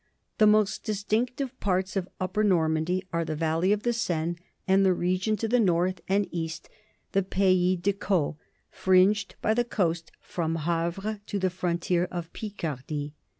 The most distinctive parts of Upper Normandy are the valley of the Seine and the region to the north and east, the pays de Caux, fringed by the coast from Havre to the frontier of Picardy.